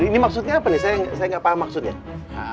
ini maksudnya apa nih saya nggak paham maksudnya